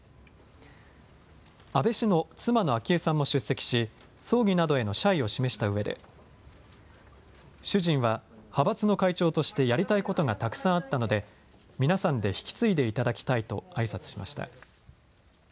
安倍氏の妻の昭恵さんも出席し葬儀などへの謝意を示したうえで主人は派閥の会長としてやりたいことがたくさんあったので皆さんで引き継いでいただきたいとあいさつしました。